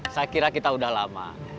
saya kira kita sudah lama